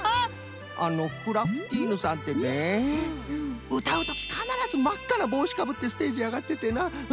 あのクラフティーヌさんってねうたうときかならずまっかなぼうしかぶってステージあがっててなフフフ。